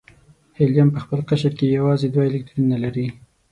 هیلیم په خپل قشر کې یوازې دوه الکترونونه لري.